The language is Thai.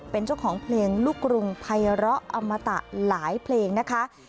เป็นเจ้าของเพลงลูกกรุงไพร้ออมตะหลายเพลงนะคะ